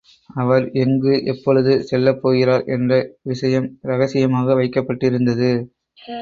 அவர் எங்கு எப்பொழுது செல்லப்போகிறார் என்ற விஷயம் இரகசியமாக வைக்கப்பட்டிருந்தது.